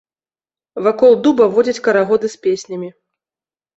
Вакол дуба водзяць карагоды з песнямі.